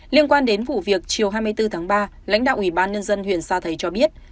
liên quan đến vụ việc chiều hai mươi bốn tháng ba lãnh đạo ủy ban nhân dân huyện sa thầy cho biết